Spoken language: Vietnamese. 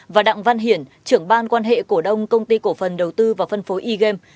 và đặng văn hiển trưởng ban quan hệ cổ đông công ty cổ phần đầu tư và phân phối e game